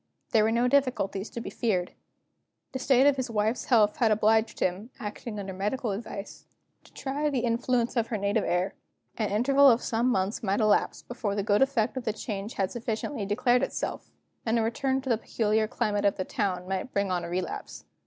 There were no difficulties to be feared. The state of his wife's health had obliged him (acting under medical advice) to try the influence of her native air. An interval of some months might elapse before the good effect of the change had sufficiently declared itself; and a return to the peculiar climate of the town might bring on a relapse.